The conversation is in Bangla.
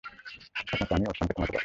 একমাত্র আমিই ওরসনকে থামাতে পারব।